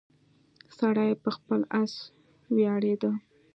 سړی په خپل اس ویاړیده.